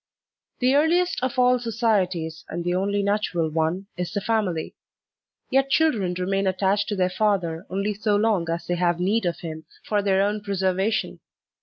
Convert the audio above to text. The earliest of all societies,* and the only natural one, is the family; yet children remain attached to their father only so long as they have need of him for their own preservation.